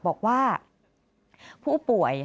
บอกว่าผู้ป่วย